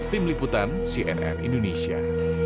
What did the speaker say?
tim liputan cnn indonesia